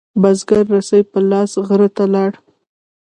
بزگر رسۍ په لاس غره ته لاړ.